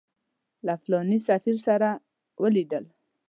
له فلاني سفیر سره ولیدل.